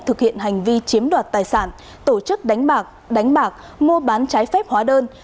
thực hiện hành vi chiếm đoạt tài sản tổ chức đánh bạc đánh bạc mua bán trái phép hóa đơn